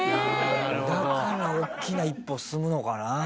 だからおっきな一歩を進むのかな？